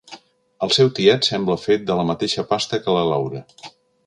El seu tiet sembla fet de la mateixa pasta que la Laura.